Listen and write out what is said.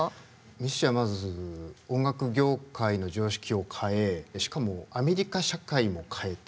ミッシーはまず音楽業界の常識を変えしかもアメリカ社会も変えて。